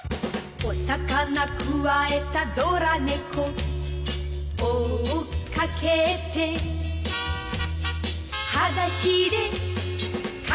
「お魚くわえたドラ猫」「追っかけて」「はだしでかけてく」